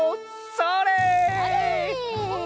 それ！